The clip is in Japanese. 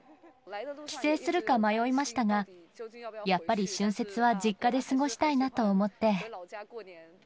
帰省するか迷いましたが、やっぱり春節は実家で過ごしたいなと思って。